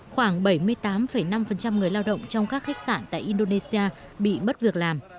khoảng bảy mươi tám năm người lao động trong các khách sạn tại indonesia bị mất việc làm